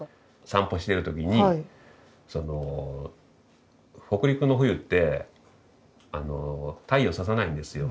散歩してる時にその北陸の冬って太陽ささないんですよ。